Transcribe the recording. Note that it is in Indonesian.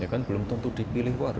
ya kan belum tentu dipilih warga